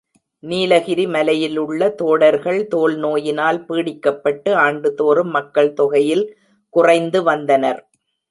நீலகிரி மலையிலுள்ள தோடர்கள் தோல்நோயினால் பீடிக்கப்பட்டு ஆண்டுதோறும் மக்கள் தொகையில் குறைந்துவந்தனர்.